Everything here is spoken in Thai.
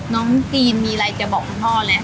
น้องจีนมีอะไรจะบอกคุณพ่อแล้ว